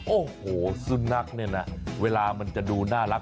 โอ้โหสุนัขเนี่ยนะเวลามันจะดูน่ารัก